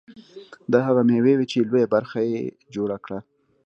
دا هغه مېوې وې چې لویه برخه یې جوړه کړه.